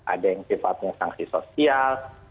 ada yang sifatnya sanksi sosial